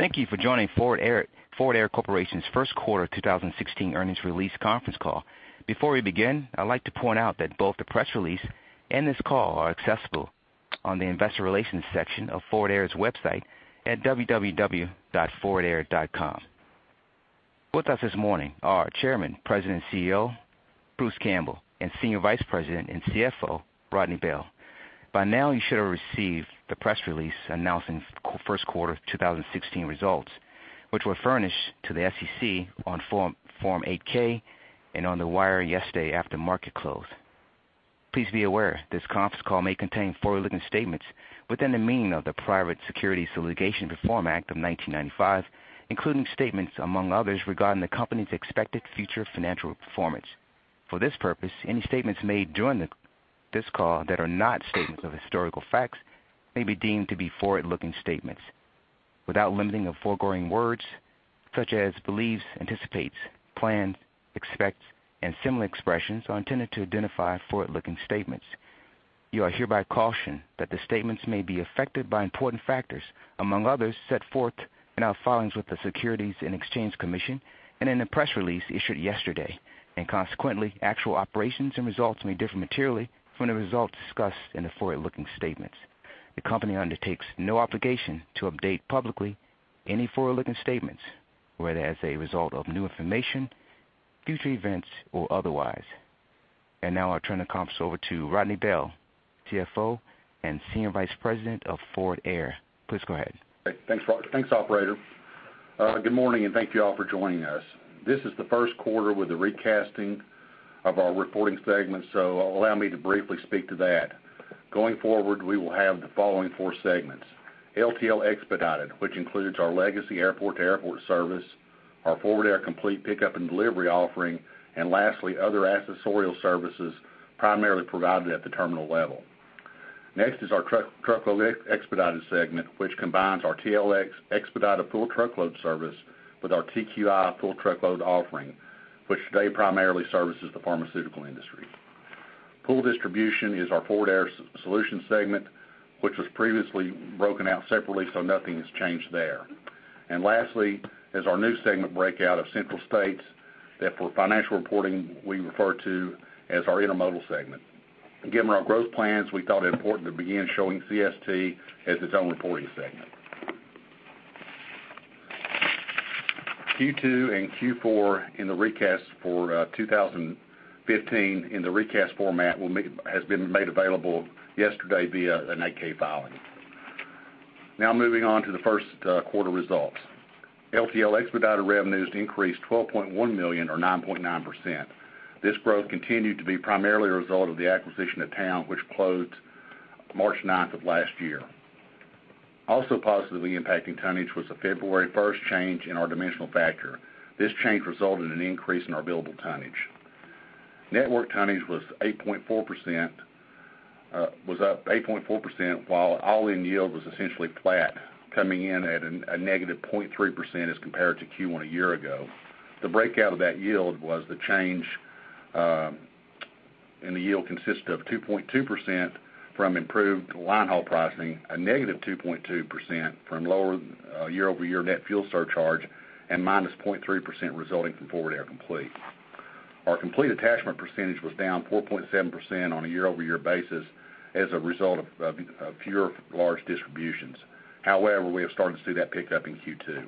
Thank you for joining Forward Air Corporation's first quarter 2016 earnings release conference call. Before we begin, I'd like to point out that both the press release and this call are accessible on the investor relations section of Forward Air's website at www.forwardair.com. With us this morning are Chairman, President, and CEO, Bruce Campbell, and Senior Vice President and CFO, Rodney Bell. By now, you should have received the press release announcing first quarter 2016 results, which were furnished to the SEC on Form 8-K and on the wire yesterday after market close. Please be aware, this conference call may contain forward-looking statements within the meaning of the Private Securities Litigation Reform Act of 1995, including statements, among others, regarding the company's expected future financial performance. For this purpose, any statements made during this call that are not statements of historical facts may be deemed to be forward-looking statements. Without limiting the foregoing words, such as believes, anticipates, plans, expects, and similar expressions are intended to identify forward-looking statements. You are hereby cautioned that the statements may be affected by important factors, among others, set forth in our filings with the Securities and Exchange Commission and in the press release issued yesterday. Consequently, actual operations and results may differ materially from the results discussed in the forward-looking statements. The company undertakes no obligation to update publicly any forward-looking statements, whether as a result of new information, future events, or otherwise. Now I'll turn the conference over to Rodney Bell, CFO and Senior Vice President of Forward Air. Please go ahead. Thanks, operator. Good morning, and thank you all for joining us. This is the first quarter with the recasting of our reporting segments, so allow me to briefly speak to that. Going forward, we will have the following four segments. LTL Expedited, which includes our legacy airport-to-airport service, our Forward Air Complete pickup and delivery offering, and lastly, other accessorial services primarily provided at the terminal level. Next is our Truckload Expedited segment, which combines our TLX Expedited pool truckload service with our TQI pool truckload offering, which today primarily services the pharmaceutical industry. Pool Distribution is our Forward Air Solutions segment, which was previously broken out separately, so nothing has changed there. Lastly is our new segment breakout of Central States that for financial reporting we refer to as our Intermodal segment. Given our growth plans, we thought it important to begin showing CST as its own reporting segment. Q2 and Q4 in the recast for 2015 in the recast format has been made available yesterday via an 8-K filing. Moving on to the first quarter results. LTL Expedited revenues increased $12.1 million, or 9.9%. This growth continued to be primarily a result of the acquisition of Towne, which closed March 9th of last year. Also positively impacting tonnage was the February 1st change in our dimensional factor. This change resulted in an increase in our billable tonnage. Network tonnage was up 8.4%, while all-in yield was essentially flat, coming in at a negative 0.3% as compared to Q1 a year ago. The breakout of that yield was the change in the yield consisted of 2.2% from improved line haul pricing, a negative 2.2% from lower year-over-year net fuel surcharge, and minus 0.3% resulting from Forward Air Complete. Our complete attachment percentage was down 4.7% on a year-over-year basis as a result of fewer large distributions. However, we have started to see that pick up in Q2.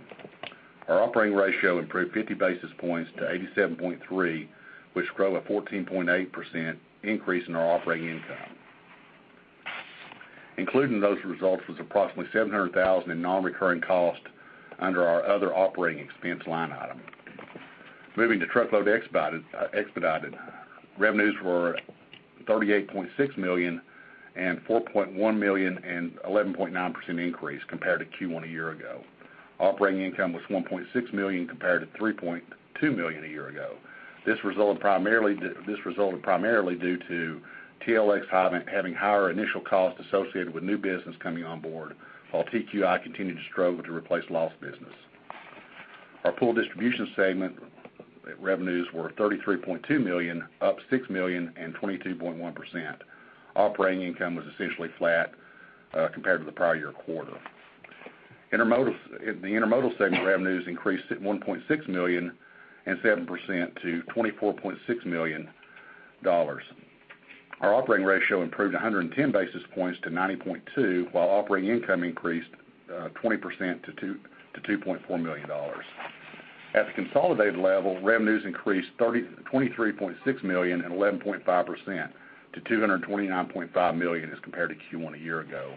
Our operating ratio improved 50 basis points to 87.3, which grew a 14.8% increase in our operating income. Including those results was approximately $700,000 in non-recurring cost under our other operating expense line item. Moving to Truckload Expedited. Revenues were $38.6 million and $4.1 million, an 11.9% increase compared to Q1 a year ago. Operating income was $1.6 million compared to $3.2 million a year ago. This resulted primarily due to TLX having higher initial costs associated with new business coming on board, while TQI continued to struggle to replace lost business. Our Pool Distribution segment revenues were $33.2 million, up $6 million and 22.1%. Operating income was essentially flat compared to the prior year quarter. The Intermodal segment revenues increased $1.6 million and 7% to $24.6 million. Our operating ratio improved 110 basis points to 90.2, while operating income increased 20% to $2.4 million. At the consolidated level, revenues increased $23.6 million and 11.5% to $229.5 million as compared to Q1 a year ago.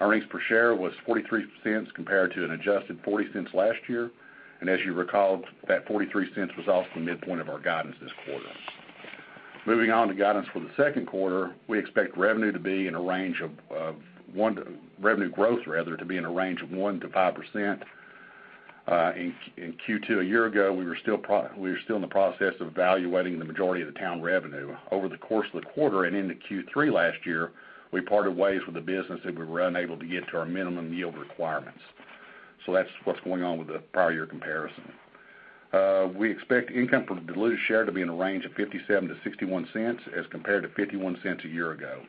Earnings per share was $0.43 compared to an adjusted $0.40 last year. As you recall, that $0.43 was also the midpoint of our guidance this quarter. Moving on to guidance for the second quarter, we expect revenue growth to be in a range of 1%-5%. In Q2 a year ago, we were still in the process of evaluating the majority of the Towne revenue. Over the course of the quarter and into Q3 last year, we parted ways with the business as we were unable to get to our minimum yield requirements. That's what's going on with the prior year comparison. We expect income per diluted share to be in the range of $0.57-$0.61 as compared to $0.51 a year ago.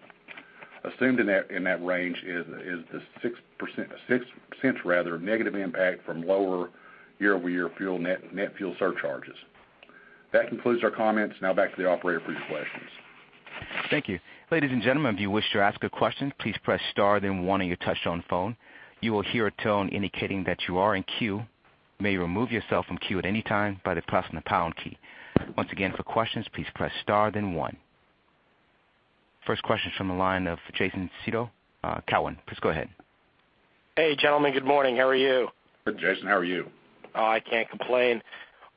Assumed in that range is the 6% rather negative impact from lower year-over-year net fuel surcharges. That concludes our comments. Now back to the operator for your questions. Thank you. Ladies and gentlemen, if you wish to ask a question, please press star then one on your touch-tone phone. You will hear a tone indicating that you are in queue. You may remove yourself from queue at any time by pressing the pound key. Once again, for questions, please press star then one. First question is from the line of Jason Seidl, Cowen. Please go ahead. Hey, gentlemen. Good morning. How are you? Good, Jason, how are you? I can't complain.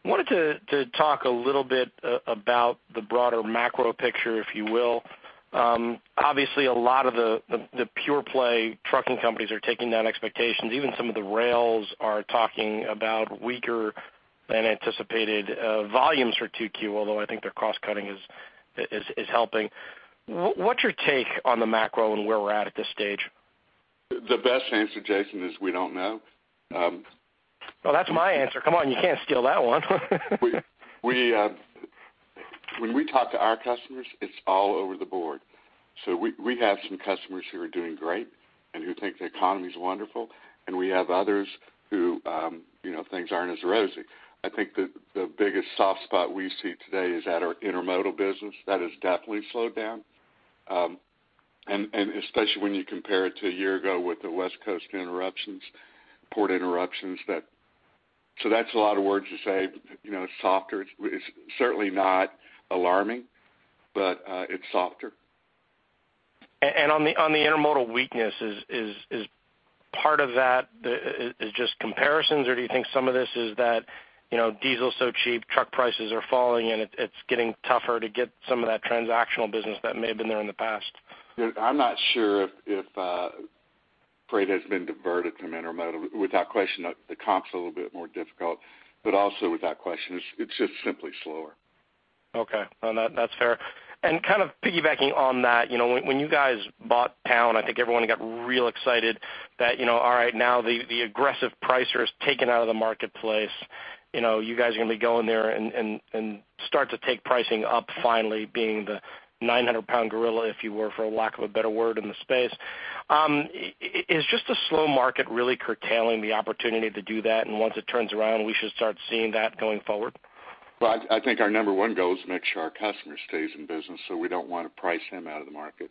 Wanted to talk a little bit about the broader macro picture, if you will. Obviously, a lot of the pure play trucking companies are taking down expectations. Even some of the rails are talking about weaker than anticipated volumes for 2Q, although I think their cross-cutting is helping. What's your take on the macro and where we're at this stage? The best answer, Jason, is we don't know. Well, that's my answer. Come on, you can't steal that one. When we talk to our customers, it's all over the board. We have some customers who are doing great and who think the economy's wonderful, and we have others who things aren't as rosy. I think that the biggest soft spot we see today is at our intermodal business. That has definitely slowed down, and especially when you compare it to a year ago with the West Coast port interruptions. That's a lot of words to say it's softer. It's certainly not alarming, but it's softer. On the intermodal weakness, is part of that is just comparisons, or do you think some of this is that diesel's so cheap, truck prices are falling, and it's getting tougher to get some of that transactional business that may have been there in the past? I'm not sure if freight has been diverted from intermodal. Without question, the comp's a little bit more difficult, but also without question, it's just simply slower. Okay. No, that's fair. Kind of piggybacking on that, when you guys bought Towne, I think everyone got real excited that all right, now the aggressive pricer is taken out of the marketplace. You guys are going to be going there and start to take pricing up finally being the 900-pound gorilla, if you were, for a lack of a better word, in the space. Is just the slow market really curtailing the opportunity to do that, and once it turns around, we should start seeing that going forward? Well, I think our number one goal is to make sure our customer stays in business, so we don't want to price him out of the market.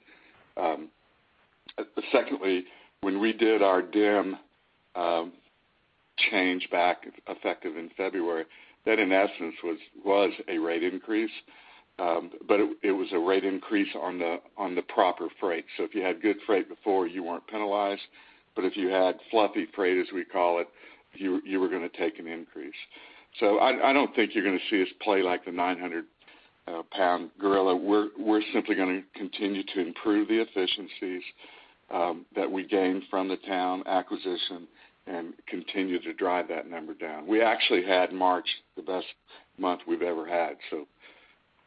Secondly, when we did our DIM change back effective in February, that in essence was a rate increase. It was a rate increase on the proper freight. If you had good freight before, you weren't penalized, but if you had fluffy freight, as we call it, you were going to take an increase. I don't think you're going to see us play like the 900-pound gorilla. We're simply going to continue to improve the efficiencies that we gained from the Towne acquisition and continue to drive that number down. We actually had March the best month we've ever had, so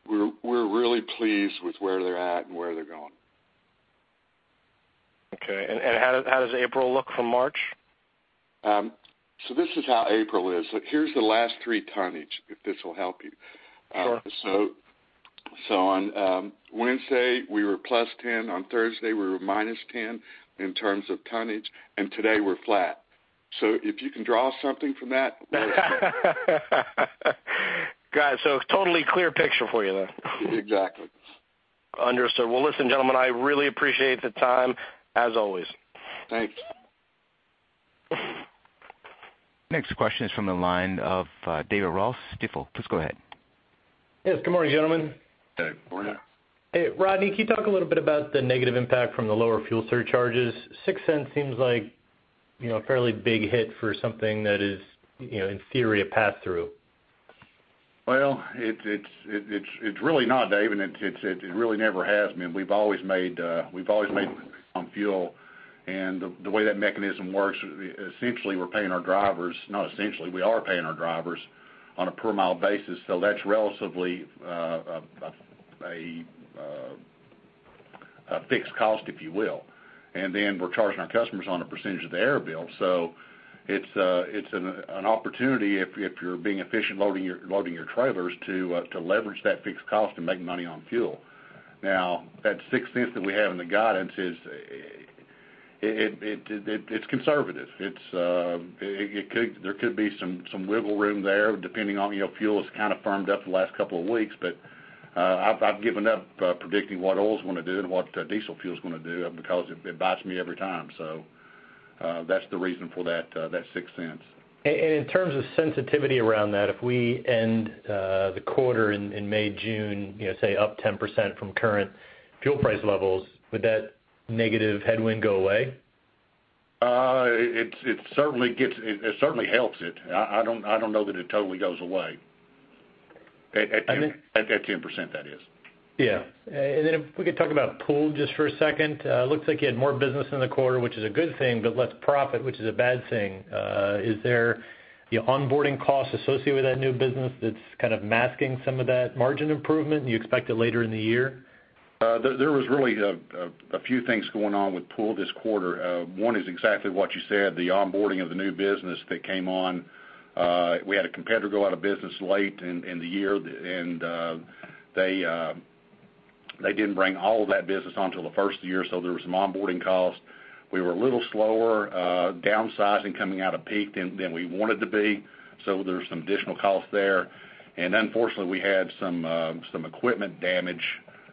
we're really pleased with where they're at and where they're going. Okay, how does April look from March? This is how April is. Here's the last three tonnage, if this will help you. Sure. On Wednesday, we were +10. On Thursday, we were -10 in terms of tonnage, and today we're flat. If you can draw something from that. Got it. Totally clear picture for you then. Exactly. Understood. Well, listen, gentlemen, I really appreciate the time, as always. Thanks. Next question is from the line of David Ross, Stifel. Please go ahead. Yes. Good morning, gentlemen. Good morning. Hey, Rodney, can you talk a little bit about the negative impact from the lower fuel surcharges? $0.06 seems like a fairly big hit for something that is, in theory, a pass-through. Well, it's really not, David. It really never has been. We've always made on fuel. The way that mechanism works, essentially we're paying our drivers, not essentially, we are paying our drivers on a per mile basis. That's relatively a fixed cost, if you will. Then we're charging our customers on a percentage of the air bill. It's an opportunity if you're being efficient loading your trailers to leverage that fixed cost and make money on fuel. Now, that $0.06 that we have in the guidance, it's conservative. There could be some wiggle room there depending on, fuel has kind of firmed up the last couple of weeks, but I've given up predicting what oils want to do and what diesel fuel's going to do because it bites me every time. That's the reason for that $0.06. In terms of sensitivity around that, if we end the quarter in May, June, say up 10% from current fuel price levels, would that negative headwind go away? It certainly helps it. I don't know that it totally goes away. At 10%, that is. Yeah. If we could talk about pool just for a second. Looks like you had more business in the quarter, which is a good thing, but less profit, which is a bad thing. Is there onboarding costs associated with that new business that's kind of masking some of that margin improvement and you expect it later in the year? There was really a few things going on with pool this quarter. One is exactly what you said, the onboarding of the new business that came on. We had a competitor go out of business late in the year, and they didn't bring all of that business on till the first year, so there was some onboarding costs. We were a little slower downsizing coming out of peak than we wanted to be, so there's some additional costs there. Unfortunately, we had some equipment damage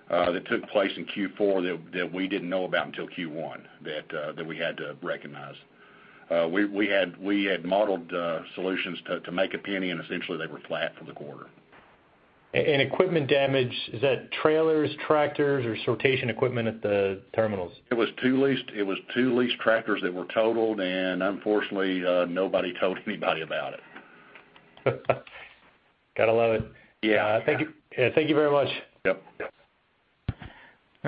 that took place in Q4 that we didn't know about until Q1 that we had to recognize. We had modeled Solutions to make a penny, and essentially they were flat for the quarter. Equipment damage, is that trailers, tractors, or sortation equipment at the terminals? It was two leased tractors that were totaled, and unfortunately, nobody told anybody about it. Got to love it. Yeah. Thank you very much.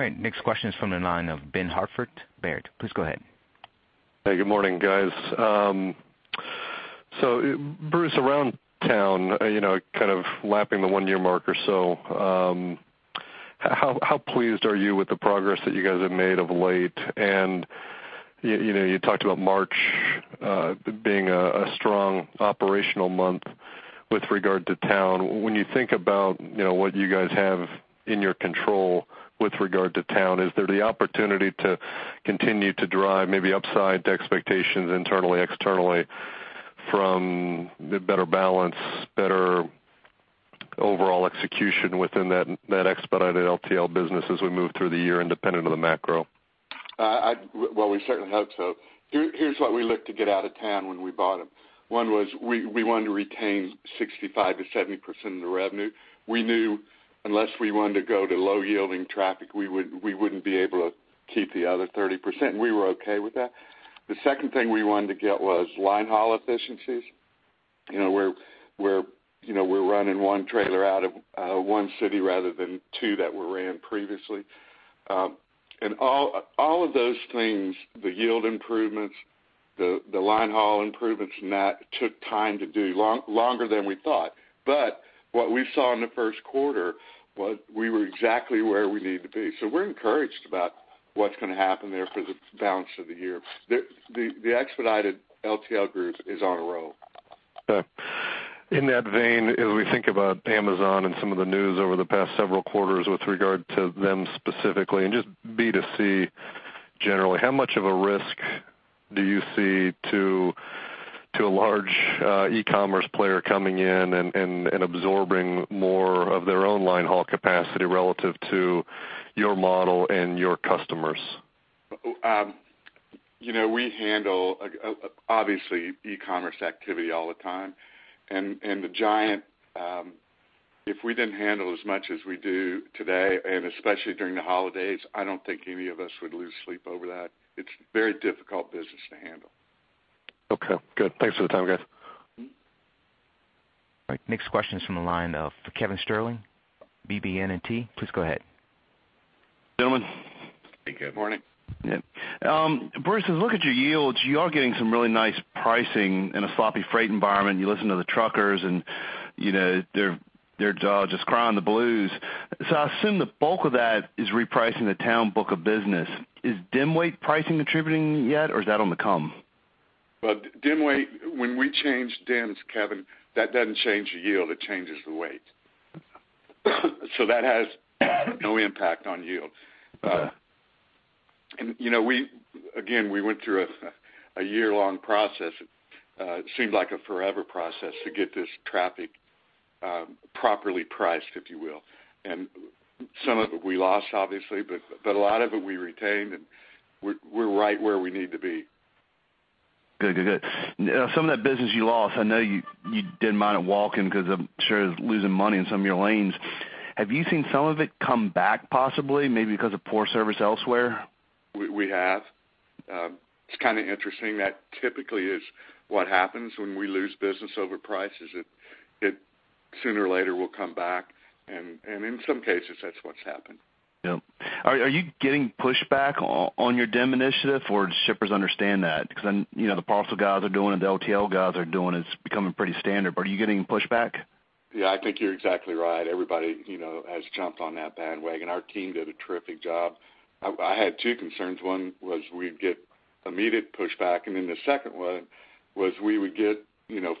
Yep. All right. Next question is from the line of Benjamin Hartford, Baird. Please go ahead. Hey, good morning, guys. Bruce, around Towne, kind of lapping the one-year mark or so, how pleased are you with the progress that you guys have made of late? You talked about March being a strong operational month with regard to Towne. When you think about what you guys have in your control with regard to Towne, is there the opportunity to continue to drive maybe upside to expectations internally, externally from the better balance, better overall execution within that expedited LTL business as we move through the year independent of the macro? We certainly hope so. Here's what we looked to get out of Towne when we bought them. One was we wanted to retain 65%-70% of the revenue. We knew unless we wanted to go to low-yielding traffic, we wouldn't be able to keep the other 30%, and we were okay with that. The second thing we wanted to get was line haul efficiencies, where we're running one trailer out of one city rather than two that were ran previously. All of those things, the yield improvements, the line haul improvements and that, took time to do, longer than we thought. What we saw in the first quarter was we were exactly where we needed to be. We're encouraged about what's going to happen there for the balance of the year. The expedited LTL group is on a roll. Okay. In that vein, as we think about Amazon and some of the news over the past several quarters with regard to them specifically and just B2C generally, how much of a risk do you see to a large e-commerce player coming in and absorbing more of their own line haul capacity relative to your model and your customers? We handle, obviously, e-commerce activity all the time, and the giant, if we didn't handle as much as we do today, and especially during the holidays, I don't think any of us would lose sleep over that. It's very difficult business to handle. Okay, good. Thanks for the time, guys. All right. Next question is from the line of Kevin Sterling, BB&T. Please go ahead. Gentlemen. Good morning. Yeah. Bruce, as I look at your yields, you are getting some really nice pricing in a sloppy freight environment. You listen to the truckers, and they're just crying the blues. I assume the bulk of that is repricing the Towne book of business. Is dim weight pricing contributing yet, or is that on the come? Dim weight, when we change dims, Kevin, that doesn't change the yield, it changes the weight. That has no impact on yield. Got it. Again, we went through a year-long process. It seemed like a forever process to get this traffic properly priced, if you will. Some of it we lost, obviously, but a lot of it we retained, and we're right where we need to be. Some of that business you lost, I know you didn't mind it walking because I'm sure it was losing money in some of your lanes. Have you seen some of it come back possibly, maybe because of poor service elsewhere? We have. It's kind of interesting. That typically is what happens when we lose business over prices. It sooner or later will come back, and in some cases, that's what's happened. Yep. Are you getting pushback on your DIM initiative, or do shippers understand that? The parcel guys are doing it, the LTL guys are doing it. It's becoming pretty standard, are you getting pushback? Yeah, I think you're exactly right. Everybody has jumped on that bandwagon. Our team did a terrific job. I had two concerns. One was we'd get immediate pushback, and then the second one was we would get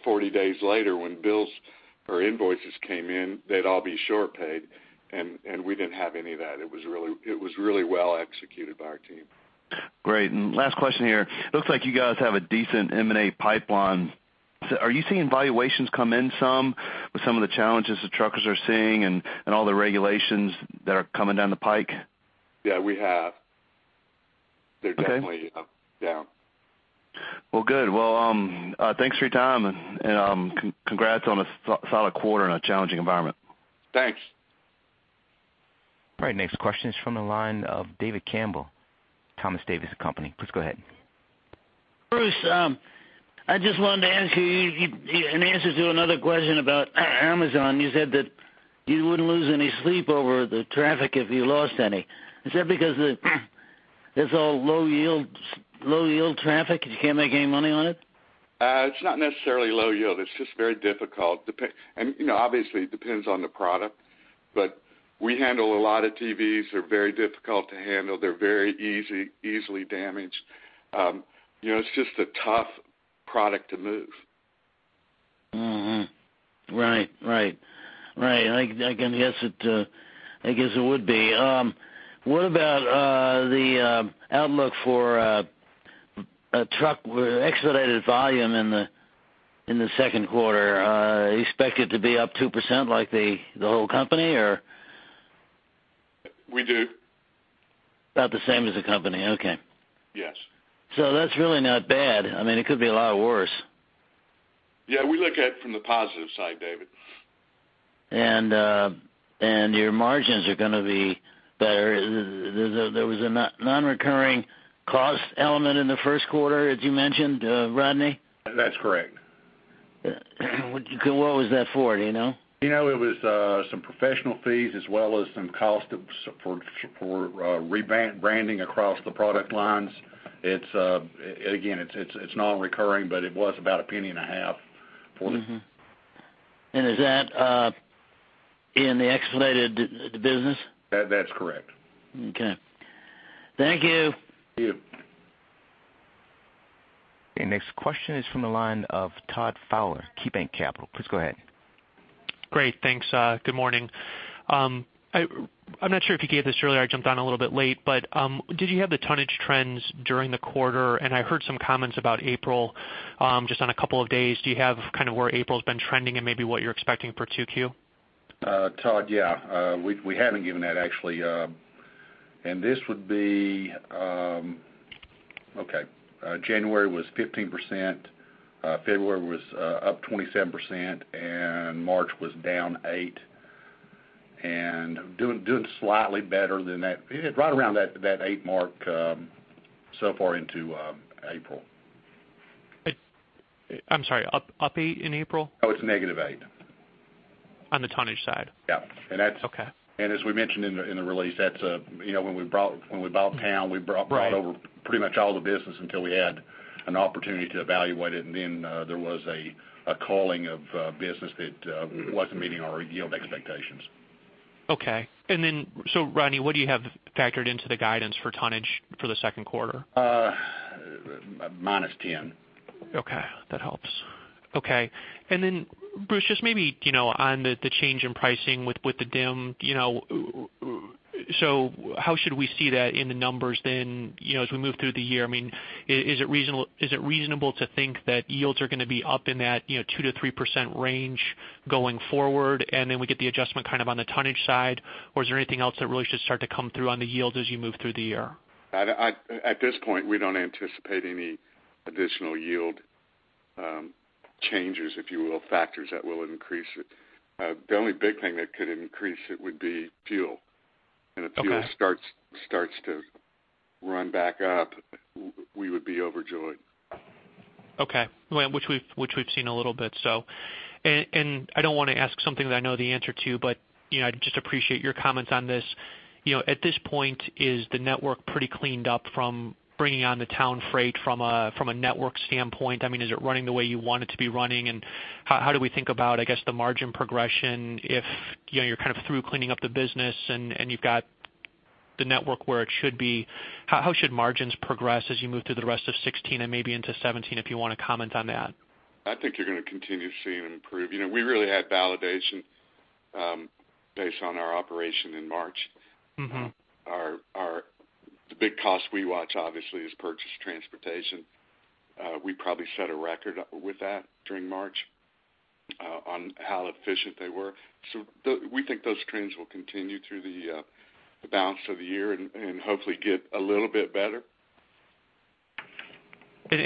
40 days later when bills or invoices came in, they'd all be short paid, and we didn't have any of that. It was really well executed by our team. Great. Last question here. Looks like you guys have a decent M&A pipeline. Are you seeing valuations come in some with some of the challenges the truckers are seeing and all the regulations that are coming down the pike? Yeah, we have. Okay. They're definitely down. Good. Thanks for your time, congrats on a solid quarter in a challenging environment. Thanks. All right, next question is from the line of David Campbell, Thompson Davis & Company. Please go ahead. Bruce, I just wanted to ask you, in answer to another question about Amazon, you said that you wouldn't lose any sleep over the traffic if you lost any. Is that because it's all low-yield traffic and you can't make any money on it? It's not necessarily low yield, it's just very difficult. Obviously, it depends on the product, but we handle a lot of TVs, they're very difficult to handle. They're very easily damaged. It's just a tough product to move. Right. I guess it would be. What about the outlook for a Truckload Expedited volume in the second quarter? Expect it to be up 2% like the whole company, or? We do. About the same as the company. Okay. Yes. That's really not bad. It could be a lot worse. Yeah, we look at it from the positive side, David. Your margins are going to be better. There was a non-recurring cost element in the first quarter, as you mentioned, Rodney? That's correct. What was that for, do you know? It was some professional fees as well as some cost for rebranding across the product lines. Again, it's non-recurring, it was about $0.015 for it. Mm-hmm. Is that in the expedited business? That's correct. Okay. Thank you. Thank you. Okay, next question is from the line of Todd Fowler, KeyBanc Capital. Please go ahead. Great. Thanks. Good morning. I'm not sure if you gave this earlier, I jumped on a little bit late. Did you have the tonnage trends during the quarter? I heard some comments about April, just on a couple of days. Do you have where April's been trending and maybe what you're expecting for 2Q? Todd, yeah. We haven't given that, actually. January was 15%, February was up 27%. March was down 8%. Doing slightly better than that, right around that 8% mark so far into April. I'm sorry, up 8% in April? Oh, it's negative eight. On the tonnage side? Yeah. Okay. As we mentioned in the release, when we bought Towne, we brought over pretty much all the business until we had an opportunity to evaluate it, then there was a culling of business that wasn't meeting our yield expectations. Okay. Rodney, what do you have factored into the guidance for tonnage for the second quarter? Minus 10. Okay. That helps. Okay. Bruce, just maybe on the change in pricing with the DIM, how should we see that in the numbers then, as we move through the year? Is it reasonable to think that yields are going to be up in that 2%-3% range going forward, and then we get the adjustment on the tonnage side? Is there anything else that really should start to come through on the yield as you move through the year? At this point, we don't anticipate any additional yield changes, if you will, factors that will increase it. The only big thing that could increase it would be fuel. Okay. If fuel starts to run back up, we would be overjoyed. Okay. Which we've seen a little bit. I don't want to ask something that I know the answer to, but I'd just appreciate your comments on this. At this point, is the network pretty cleaned up from bringing on the Towne Freight from a network standpoint? Is it running the way you want it to be running? How do we think about, I guess, the margin progression if you're through cleaning up the business and you've got the network where it should be? How should margins progress as you move through the rest of 2016 and maybe into 2017, if you want to comment on that? I think you're going to continue seeing them improve. We really had validation based on our operation in March. The big cost we watch, obviously is purchase transportation. We probably set a record with that during March on how efficient they were. We think those trends will continue through the balance of the year and hopefully get a little bit better.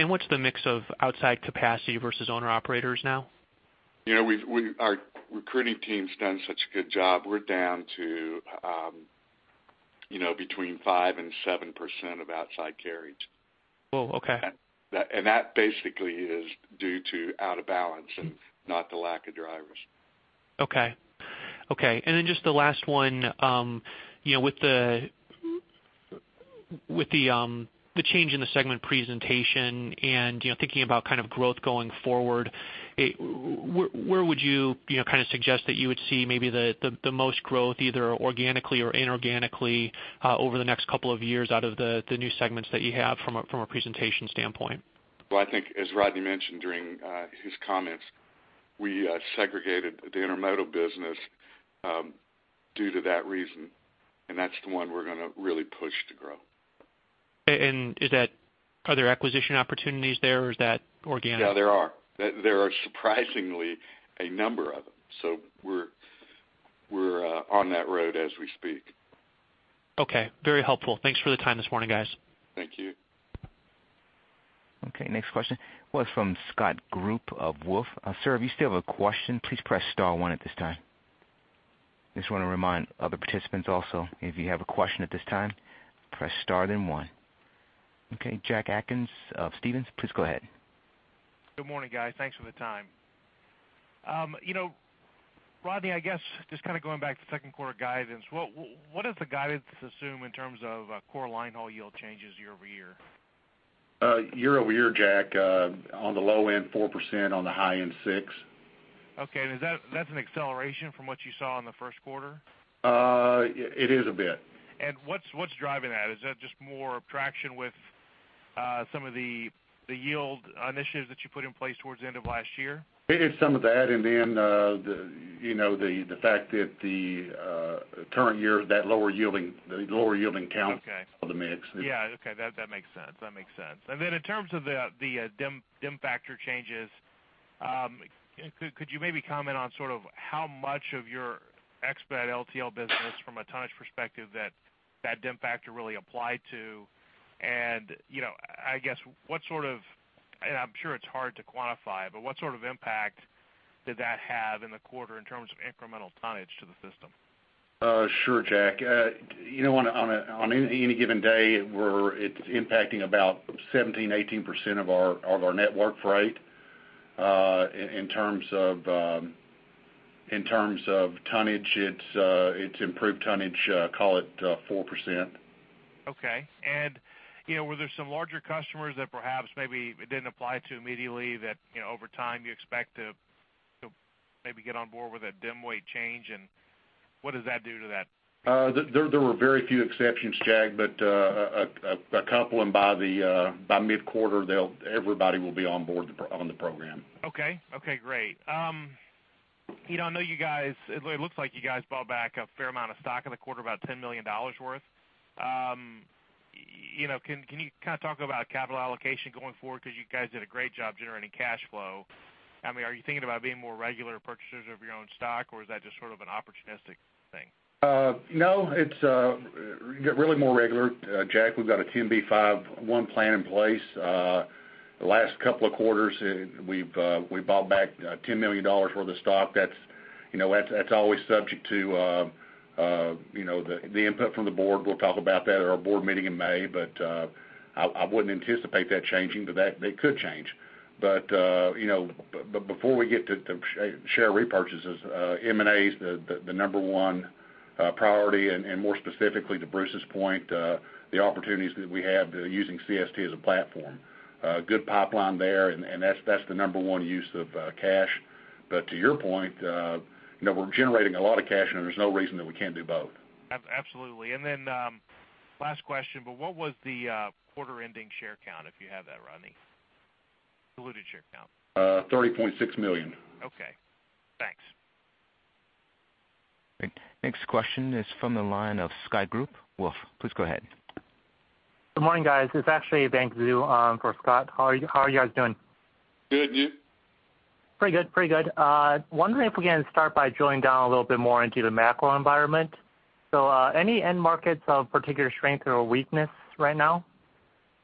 What's the mix of outside capacity versus owner-operators now? Our recruiting team's done such a good job. We're down to between 5% and 7% of outside carriage. Okay. That basically is due to out of balance and not the lack of drivers. Okay. Just the last one. With the change in the segment presentation and thinking about growth going forward, where would you suggest that you would see maybe the most growth, either organically or inorganically over the next couple of years out of the new segments that you have from a presentation standpoint? Well, I think as Rodney mentioned during his comments, we segregated the intermodal business due to that reason, that's the one we're going to really push to grow. Okay. Are there acquisition opportunities there, or is that organic? Yeah, there are. There are surprisingly a number of them. We're on that road as we speak. Okay. Very helpful. Thanks for the time this morning, guys. Thank you. Next question was from Scott Group of Wolfe Research. Sir, if you still have a question, please press star one at this time. Just want to remind other participants also, if you have a question at this time, press star then one. Jack Atkins of Stephens Inc., please go ahead. Good morning, guys. Thanks for the time. Rodney, going back to second quarter guidance, what does the guidance assume in terms of core line haul yield changes year-over-year? Year-over-year, Jack, on the low end, 4%, on the high end, 6%. Okay. That's an acceleration from what you saw in the first quarter? It is a bit. What's driving that? Is that just more traction with some of the yield initiatives that you put in place towards the end of last year? It is some of that, and then the fact that the current year, that lower yielding counts- Okay of the mix. Yeah. Okay. That makes sense. Then in terms of the DIM factor changes, could you maybe comment on how much of your expedited LTL business from a tonnage perspective that that DIM factor really applied to? I guess, I'm sure it's hard to quantify, what sort of impact did that have in the quarter in terms of incremental tonnage to the system? Sure, Jack. On any given day, it's impacting about 17%, 18% of our network freight. In terms of tonnage, it's improved tonnage, call it 4%. Okay. Were there some larger customers that perhaps maybe it didn't apply to immediately that, over time, you expect to maybe get on board with a DIM weight change? What does that do to that? There were very few exceptions, Jack, but a couple. By mid-quarter, everybody will be on board on the program. Okay. Great. I know it looks like you guys bought back a fair amount of stock in the quarter, about $10 million worth. Can you talk about capital allocation going forward because you guys did a great job generating cash flow? Are you thinking about being more regular purchasers of your own stock, or is that just an opportunistic thing? It's really more regular, Jack. We've got a Rule 10b5-1 plan in place. The last couple of quarters, we bought back $10 million worth of stock. That's always subject to the input from the board. We'll talk about that at our board meeting in May. I wouldn't anticipate that changing, but that could change. Before we get to share repurchases, M&A is the number one priority, and more specifically to Bruce's point, the opportunities that we have to using CST as a platform. A good pipeline there. That's the number one use of cash. To your point, we're generating a lot of cash, and there's no reason that we can't do both. Absolutely. Last question, what was the quarter-ending share count, if you have that, Rodney? Diluted share count. 30.6 million. Okay, thanks. Great. Next question is from the line of Scott Group. Wolfe, please go ahead. Good morning, guys. It's actually Bascome Majors on for Scott. How are you guys doing? Good. You? Pretty good. Wondering if we can start by drilling down a little bit more into the macro environment. Any end markets of particular strength or weakness right now?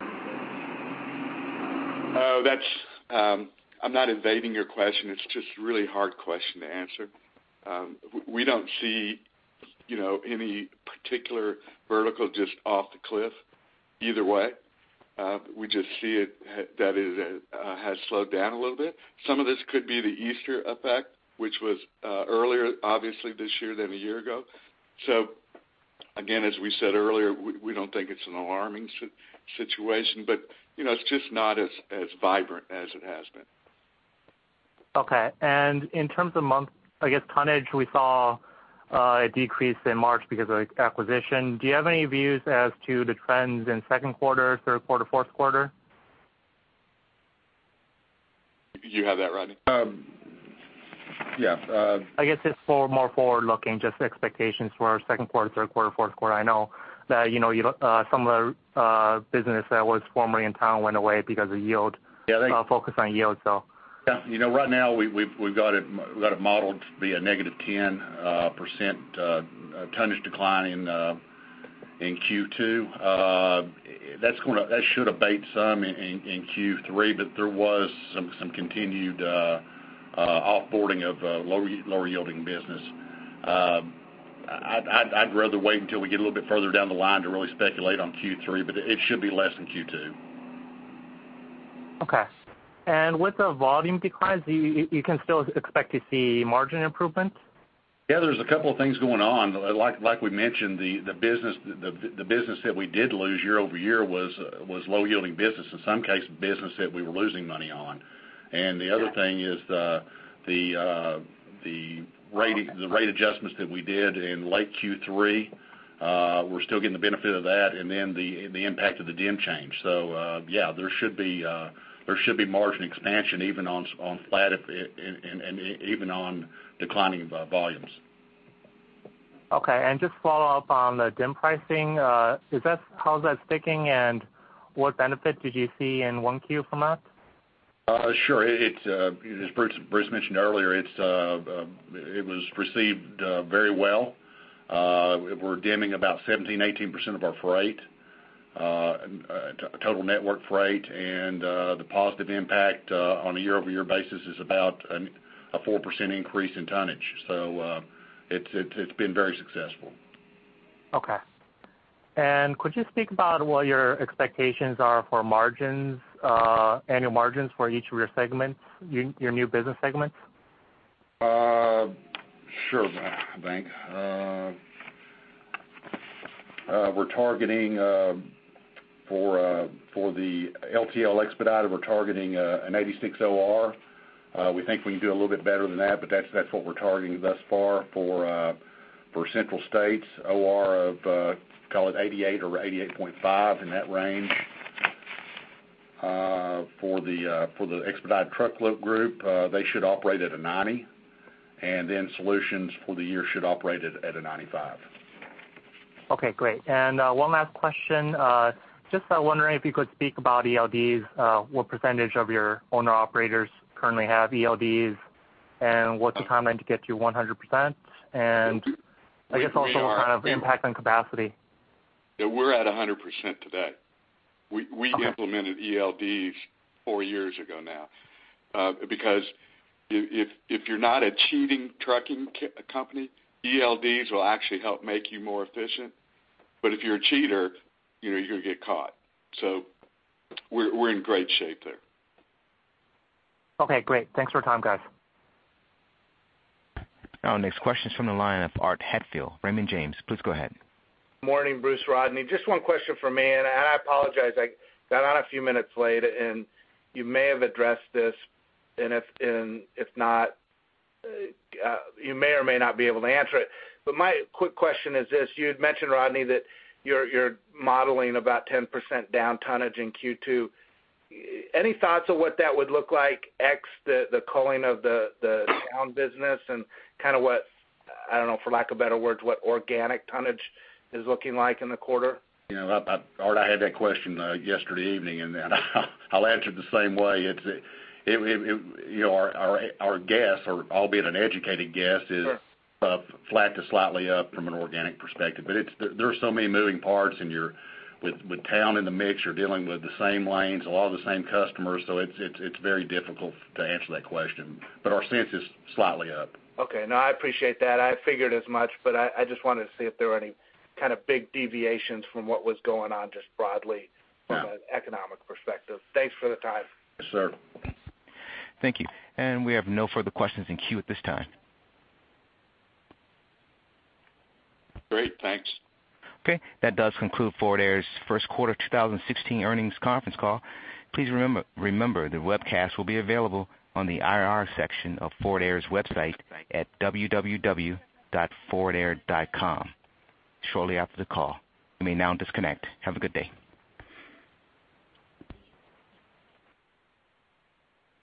I'm not evading your question. It's just a really hard question to answer. We don't see any particular vertical just off the cliff either way. We just see it that it has slowed down a little bit. Some of this could be the Easter effect, which was earlier, obviously, this year than a year ago. Again, as we said earlier, we don't think it's an alarming situation, but it's just not as vibrant as it has been. Okay. In terms of month, I guess tonnage, we saw a decrease in March because of acquisition. Do you have any views as to the trends in second quarter, third quarter, fourth quarter? Do you have that, Rodney? Yeah. I guess it's more forward-looking, just expectations for second quarter, third quarter, fourth quarter. I know that some of the business that was formerly CLP Towne went away because of yield. Yeah. Focus on yield, so. Yeah. Right now, we've got it modeled to be a negative 10% tonnage decline in Q2. That should abate some in Q3. There was some continued off-boarding of lower yielding business. I'd rather wait until we get a little bit further down the line to really speculate on Q3. It should be less than Q2. Okay. With the volume declines, you can still expect to see margin improvements? Yeah, there's 2 things going on. Like we mentioned, the business that we did lose year-over-year was low yielding business, in some cases, business that we were losing money on. The other thing is the rate adjustments that we did in late Q3, we're still getting the benefit of that, and then the impact of the DIM change. Yeah, there should be margin expansion even on declining volumes. Okay, just follow up on the DIM pricing. How is that sticking, and what benefit did you see in 1Q from that? Sure. As Bruce mentioned earlier, it was received very well. We're DIMing about 17%-18% of our freight, total network freight, and the positive impact on a year-over-year basis is about a 4% increase in tonnage. It's been very successful. Okay. Could you speak about what your expectations are for annual margins for each of your new business segments? Sure, Bascome. For the expedited LTL, we're targeting an 86 OR. We think we can do a little bit better than that, but that's what we're targeting thus far. For Central States, OR of, call it 88 or 88.5, in that range. For the expedited truckload group, they should operate at a 90. Solutions for the year should operate at a 95. Okay, great. One last question. Just wondering if you could speak about ELDs, what percentage of your owner-operators currently have ELDs, and what's the timeline to get to 100%? I guess also kind of impact on capacity. Yeah, we're at 100% today. Okay. We implemented ELDs four years ago now. If you're not a cheating trucking company, ELDs will actually help make you more efficient. If you're a cheater, you're going to get caught. We're in great shape there. Okay, great. Thanks for your time, guys. Our next question is from the line of Arthur Hatfield, Raymond James. Please go ahead. Morning, Bruce, Rodney. I apologize, I got on a few minutes late, and you may have addressed this. If not, you may or may not be able to answer it. My quick question is this. You had mentioned, Rodney, that you're modeling about 10% down tonnage in Q2. Any thoughts of what that would look like ex the culling of the Towne business and what, I don't know, for lack of better words, what organic tonnage is looking like in the quarter? Art, I had that question yesterday evening, and I'll answer the same way. Our guess, albeit an educated guess, is flat to slightly up from an organic perspective. There are so many moving parts, and with Towne in the mix, you're dealing with the same lanes, a lot of the same customers, so it's very difficult to answer that question. Our sense is slightly up. Okay. No, I appreciate that. I figured as much, but I just wanted to see if there were any kind of big deviations from what was going on just broadly from an economic perspective. Thanks for the time. Yes, sir. Thank you. We have no further questions in queue at this time. Great. Thanks. That does conclude Forward Air's first quarter 2016 earnings conference call. Please remember the webcast will be available on the IR section of Forward Air's website at www.forwardair.com shortly after the call. You may now disconnect. Have a good day.